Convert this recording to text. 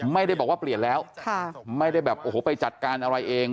ไม่ได้บอกว่าเปลี่ยนแล้วไม่ได้แบบโอ้โหไปจัดการอะไรเอง